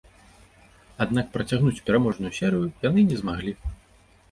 Аднак працягнуць пераможную серыю яны не змаглі.